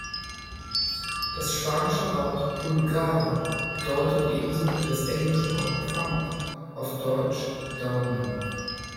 Das spanische Wort "pulgar" bedeutet ebenso wie das englische Wort "thumb" auf Deutsch „Daumen“.